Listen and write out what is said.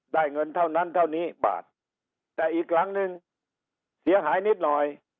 เงินเท่านั้นเท่านี้บาทแต่อีกหลังนึงเสียหายนิดหน่อย